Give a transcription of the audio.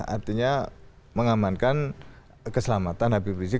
artinya mengamankan keselamatan habib rizik